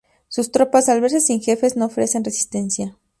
Sus tropas, al verse sin jefes, no ofrecen resistencia.